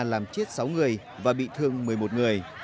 làm chết sáu người và bị thương một mươi một người